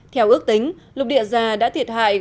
theo ước tính lục địa già đã thiệt hại